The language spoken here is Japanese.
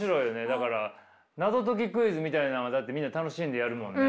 だから謎解きクイズみたいなのはだってみんな楽しんでやるもんね。